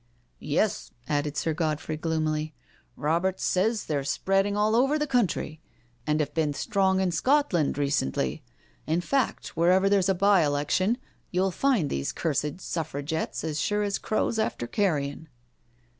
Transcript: " Yes," ^dded Sir Godfrey gloomily. " Roberts says BRACKENHtLL HALL 31 they're spreading all over the country, and have been strong in Scotland recently. In fact, wherever there's a by election you'll find these cursed Suffragettes as sure as crows after carrion."